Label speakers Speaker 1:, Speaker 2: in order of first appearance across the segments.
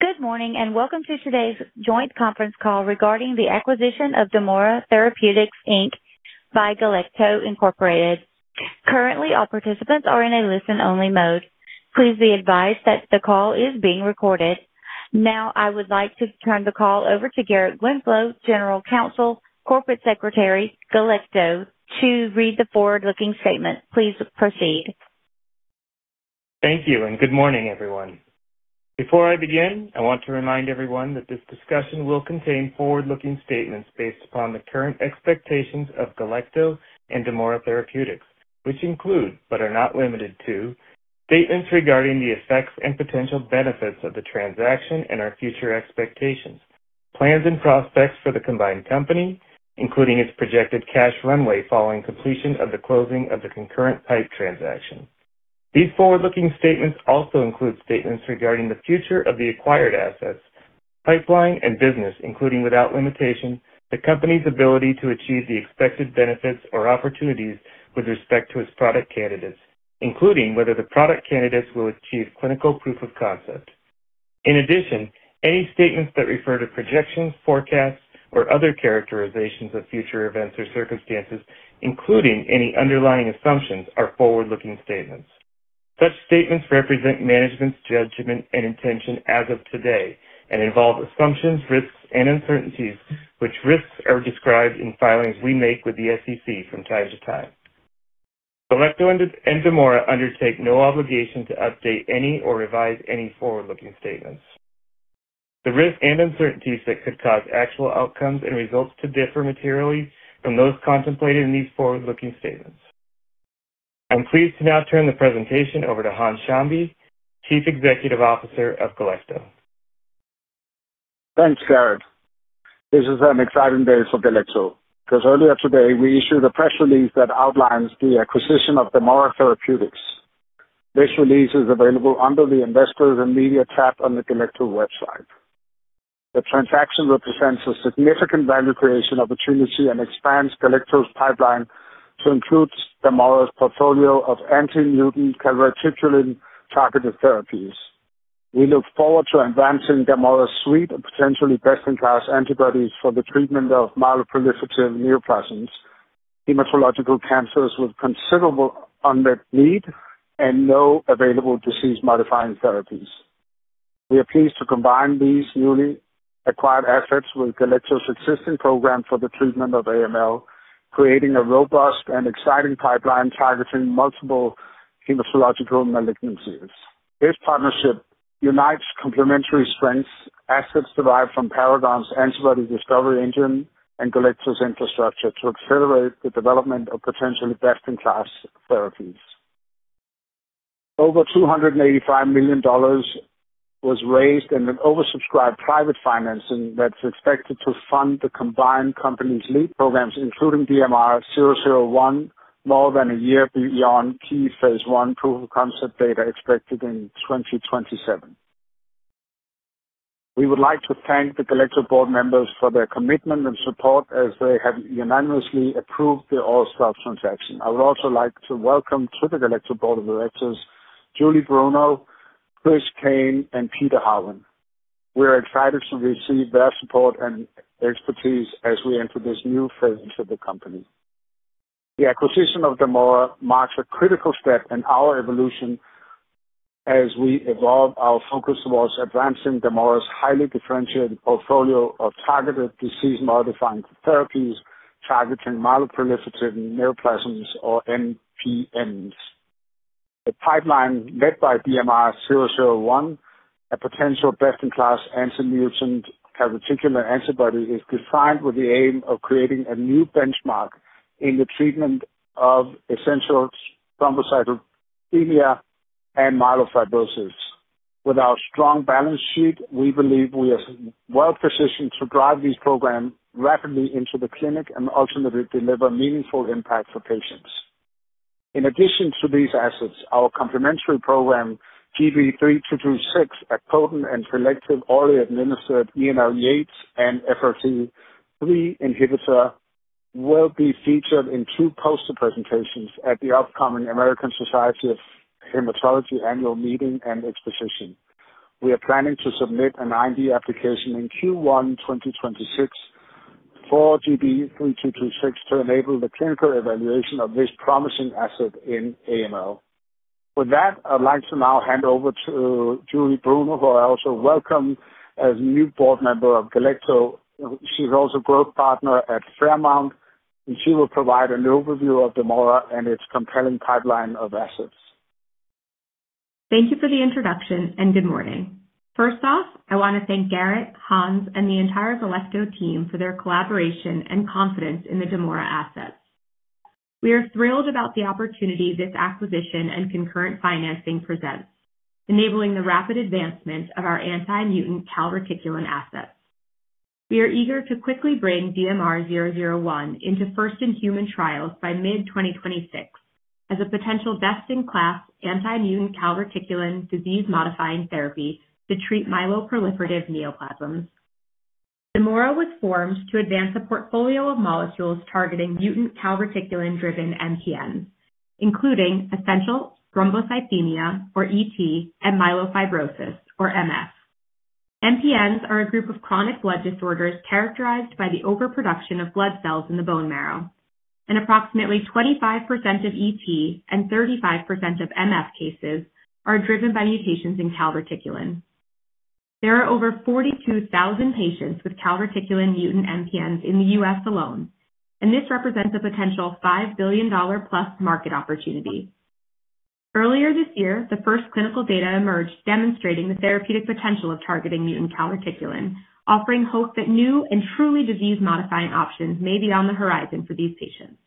Speaker 1: Good morning and welcome to today's joint conference call regarding the acquisition of Damora Therapeutics, Inc by Galecto, Inc. Currently, all participants are in a listen-only mode. Please be advised that the call is being recorded. Now, I would like to turn the call over to Garrett Winslow, General Counsel, Corporate Secretary, Galecto, to read the forward-looking statement. Please proceed.
Speaker 2: Thank you and good morning, everyone. Before I begin, I want to remind everyone that this discussion will contain forward-looking statements based upon the current expectations of Galecto and Damora Therapeutics, which include, but are not limited to, statements regarding the effects and potential benefits of the transaction and our future expectations, plans and prospects for the combined company, including its projected cash runway following completion of the closing of the concurrent pipe transaction. These forward-looking statements also include statements regarding the future of the acquired assets, pipeline, and business, including without limitation, the company's ability to achieve the expected benefits or opportunities with respect to its product candidates, including whether the product candidates will achieve clinical proof of concept. In addition, any statements that refer to projections, forecasts, or other characterizations of future events or circumstances, including any underlying assumptions, are forward-looking statements. Such statements represent management's judgment and intention as of today and involve assumptions, risks, and uncertainties, which risks are described in filings we make with the SEC from time to time. Galecto and Damora undertake no obligation to update or revise any forward-looking statements. The risks and uncertainties that could cause actual outcomes and results to differ materially from those contemplated in these forward-looking statements. I'm pleased to now turn the presentation over to Hans Schambye, Chief Executive Officer of Galecto.
Speaker 3: Thanks, Garrett. This is an exciting day for Galecto because earlier today we issued a press release that outlines the acquisition of Damora Therapeutics. This release is available under the investors and media tab on the Galecto website. The transaction represents a significant value creation opportunity and expands Galecto's pipeline to include Damora's portfolio of anti-mutant calreticulin targeted therapies. We look forward to advancing Damora's suite of potentially best-in-class antibodies for the treatment of myeloproliferative neoplasms, hematological cancers with considerable unmet need, and no available disease-modifying therapies. We are pleased to combine these newly acquired assets with Galecto's existing program for the treatment of AML, creating a robust and exciting pipeline targeting multiple hematological malignancies. This partnership unites complementary strengths, assets derived from Paragon's antibody discovery engine, and Galecto's infrastructure to accelerate the development of potentially best-in-class therapies. Over $285 million was raised in oversubscribed private financing that's expected to fund the combined company's lead programs, including DMR-001, more than a year beyond key phase one proof of concept data expected in 2027. We would like to thank the Galecto board members for their commitment and support as they have unanimously approved the all-stop transaction. I would also like to welcome to the Galecto board of directors Julie Bruno, Chris Cain, and Peter Harwin. We are excited to receive their support and expertise as we enter this new phase of the company. The acquisition of Damora marks a critical step in our evolution as we evolve our focus towards advancing Damora's highly differentiated portfolio of targeted disease-modifying therapies targeting myeloproliferative neoplasms, or MPNs. The pipeline led by DMR-001, a potential best-in-class anti-mutant calreticulin antibody, is designed with the aim of creating a new benchmark in the treatment of essential thrombocythemia and myelofibrosis. With our strong balance sheet, we believe we are well positioned to drive these programs rapidly into the clinic and ultimately deliver meaningful impact for patients. In addition to these assets, our complementary program GB3226, a potent ENL-YEATS and FLT3 inhibitor, will be featured in two poster presentations at the upcoming American Society of Hematology Annual Meeting and Exposition. We are planning to submit an IND application in Q1 2026 for GB3226 to enable the clinical evaluation of this promising asset in AML. With that, I'd like to now hand over to Julie Bruno, who I also welcome as a new board member of Galecto. She's also a growth partner at Fairmount, and she will provide an overview of Damora and its compelling pipeline of assets.
Speaker 4: Thank you for the introduction and good morning. First off, I want to thank Garrett, Hans, and the entire Galecto team for their collaboration and confidence in the Damora assets. We are thrilled about the opportunity this acquisition and concurrent financing presents, enabling the rapid advancement of our anti-mutant calreticulin assets. We are eager to quickly bring DMR-001 into first-in-human trials by mid-2026 as a potential best-in-class anti-mutant calreticulin disease-modifying therapy to treat myeloproliferative neoplasms. Damora was formed to advance a portfolio of molecules targeting mutant calreticulin-driven MPNs, including essential thrombocythemia, or ET, and myelofibrosis, or MF. MPNs are a group of chronic blood disorders characterized by the overproduction of blood cells in the bone marrow. Approximately 25% of ET and 35% of MF cases are driven by mutations in calreticulin. There are over 42,000 patients with calreticulin mutant MPNs in the U.S. alone, and this represents a potential $5 billion-plus market opportunity. Earlier this year, the first clinical data emerged demonstrating the therapeutic potential of targeting mutant calreticulin, offering hope that new and truly disease-modifying options may be on the horizon for these patients.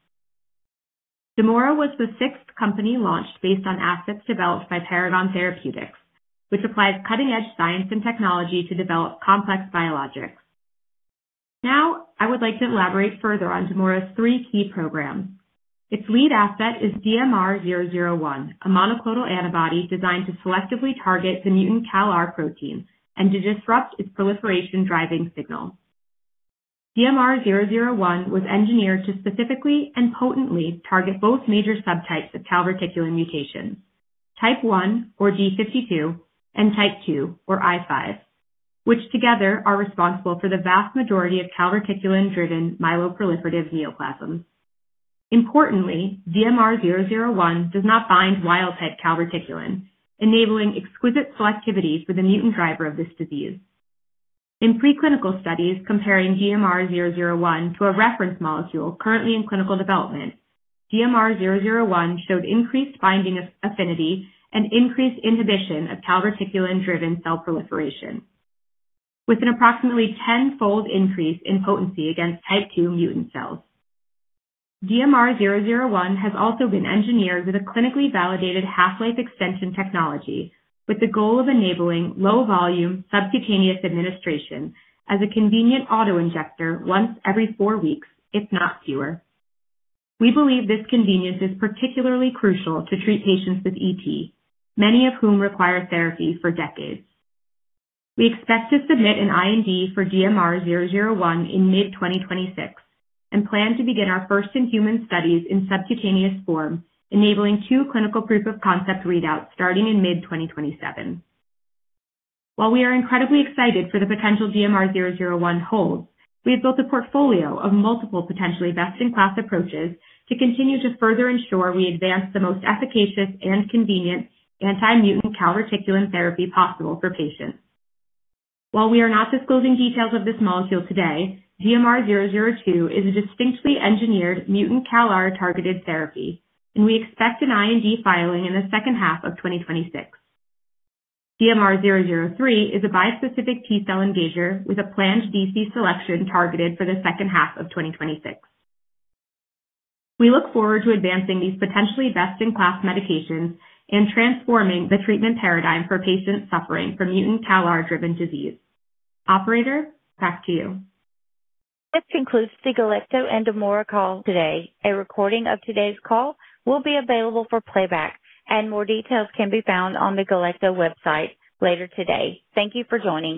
Speaker 4: Damora was the sixth company launched based on assets developed by Paragon Therapeutics, which applies cutting-edge science and technology to develop complex biologics. Now, I would like to elaborate further on Damora's three key programs. Its lead asset is DMR-001, a monoclonal antibody designed to selectively target the mutant CALR protein and to disrupt its proliferation driving signal. DMR-001 was engineered to specifically and potently target both major subtypes of calreticulin mutations, type 1, or d52, and type 2, or i5, which together are responsible for the vast majority of calreticulin-driven myeloproliferative neoplasms. Importantly, DMR-001 does not bind wild-type calreticulin, enabling exquisite selectivity for the mutant driver of this disease. In preclinical studies comparing DMR-001 to a reference molecule currently in clinical development, DMR-001 showed increased binding affinity and increased inhibition of calreticulin-driven cell proliferation, with an approximately tenfold increase in potency against type 2 mutant cells. DMR-001 has also been engineered with a clinically validated half-life extension technology with the goal of enabling low-volume subcutaneous administration as a convenient autoinjector once every four weeks, if not fewer. We believe this convenience is particularly crucial to treat patients with ET, many of whom require therapy for decades. We expect to submit an IND for DMR-001 in mid-2026 and plan to begin our first-in-human studies in subcutaneous form, enabling two clinical proof of concept readouts starting in mid-2027. While we are incredibly excited for the potential DMR-001 holds, we have built a portfolio of multiple potentially best-in-class approaches to continue to further ensure we advance the most efficacious and convenient anti-mutant calreticulin therapy possible for patients. While we are not disclosing details of this molecule today, DMR-002 is a distinctly engineered mutant CALR-targeted therapy, and we expect an IND filing in the second half of 2026. DMR-003 is a bispecific T-cell engager with a planned DC selection targeted for the second half of 2026. We look forward to advancing these potentially best-in-class medications and transforming the treatment paradigm for patients suffering from mutant CALR-driven disease. Operator, back to you.
Speaker 1: This concludes the Galecto and Damora call today. A recording of today's call will be available for playback, and more details can be found on the Galecto website later today. Thank you for joining.